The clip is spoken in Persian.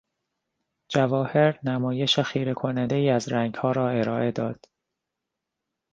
جواهر نمایش خیره کنندهای از رنگها را ارائه داد.